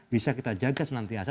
bisa kita jaga senantiasa